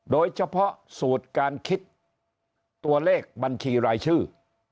โดยเฉพาะสูตรการคิดตัวเลขบัญชีรายชื่อ